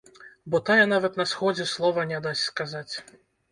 Бо тая нават на сходзе слова не дасць сказаць.